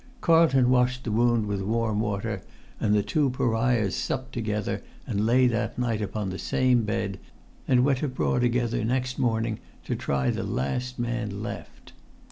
Carlton washed the wound with warm water, and the two pariahs supped together, and lay that night upon the same bed, and went abroad together next morning, to try the last man left.